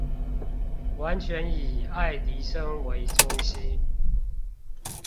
完全以愛迪生為中心